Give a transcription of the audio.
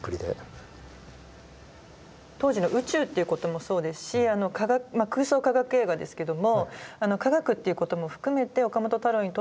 当時の宇宙っていうこともそうですしまあ空想科学映画ですけども科学っていうことも含めて岡本太郎にとってはやっぱり前衛ですね。